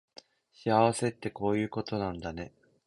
幸せってこういうことなんだね